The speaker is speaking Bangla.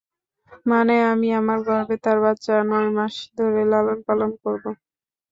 মানে আমি আমার গর্ভে তার বাচ্চা নয়মাস ধরে লালনপালন করব।